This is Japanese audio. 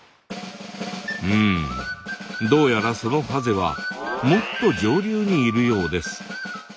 うんどうやらそのハゼはもっと上流にいるようです。